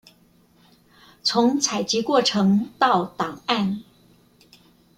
從採集過程到檔案